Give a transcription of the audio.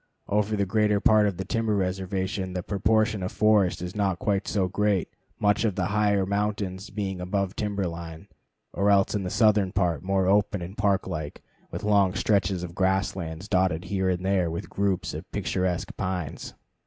Over the greater part of the timber reservation the proportion of forest is not quite so great, much of the higher mountains being above timber line, or else in the southern part more open and park like, with long stretches of grass lands dotted here and there with groups of picturesque pines.